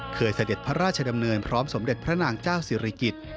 เสด็จพระราชดำเนินพร้อมสมเด็จพระนางเจ้าศิริกิจ